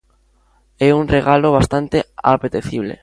É un regalo bastante apetecible.